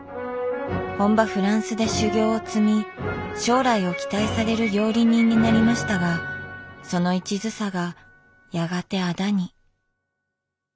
本場フランスで修業を積み将来を期待される料理人になりましたがそのいちずさがやがてあだに。